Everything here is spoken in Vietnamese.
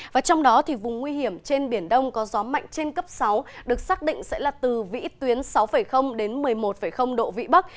và trong đó vùng nguy hiểm trên biển đông có gió mạnh trên cấp sáu được xác định sẽ là từ vĩ tuyến sáu đến một mươi một độ vĩ bắc